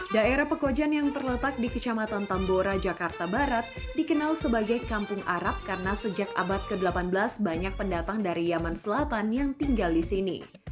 daerah pekojan yang terletak di kecamatan tambora jakarta barat dikenal sebagai kampung arab karena sejak abad ke delapan belas banyak pendatang dari yaman selatan yang tinggal di sini